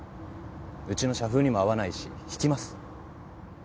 うちの社風にも合わないし引きます。